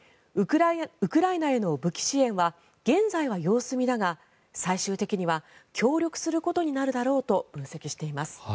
ウクライナへの武器支援は現在は様子見だが最終的には協力することになるだろうと分析しています。